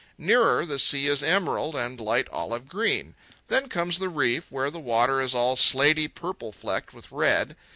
Nearer, the sea is emerald and light olive green. Then comes the reef, where the water is all slaty purple flecked with red.